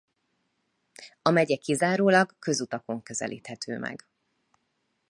A megye kizárólag közutakon közelíthető meg.